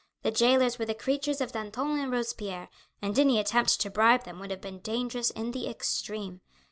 The jailers were the creatures of Danton and Robespierre, and any attempt to bribe them would have been dangerous in the extreme.